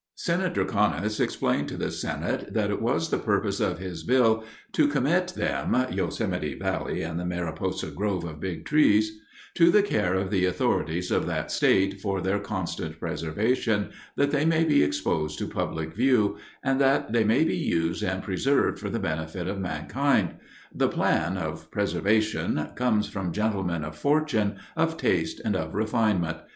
Colby] Senator Conness explained to the Senate that it was the purpose of his bill "to commit them [Yosemite Valley and the Mariposa Grove of Big Trees] to the care of the authorities of that State for their constant preservation, that they may be exposed to public view, and that they may be used and preserved for the benefit of mankind.... The plan [of preservation] comes from gentlemen of fortune, of taste, and of refinement....